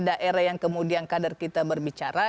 daerah yang kemudian kader kita berbicara